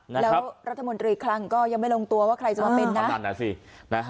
แล้วรัฐมนตรีคลังก็ยังไม่ลงตัวว่าใครจะมาเป็นนะคะ